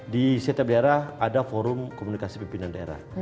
di setiap daerah ada forum komunikasi pimpinan daerah